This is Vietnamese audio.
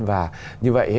và như vậy